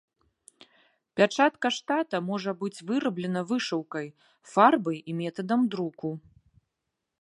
Пячатка штата можа быць выраблена вышыўкай, фарбай і метадам друку.